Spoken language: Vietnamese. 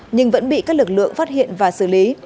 nhưng vẫn bị các lực lượng phát hiện và xử lý